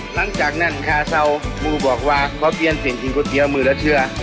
หลังจากนั้นค้าเศร้ามูบอกว่าเพราะเปลี่ยนเสร็จจริงควรเตียมมือและเชื่อ